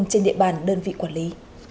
trên địa bàn đơn vị quản lý